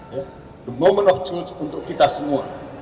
waktu yang benar untuk kita semua